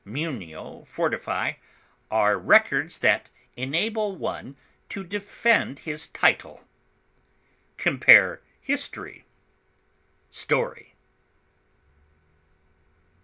munio, fortify) are records that enable one to defend his title. Compare HISTORY; STORY.